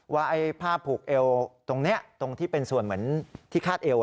ว่าไอ้ผ้าผูกเอวตรงนี้ตรงที่เป็นส่วนเหมือนที่คาดเอว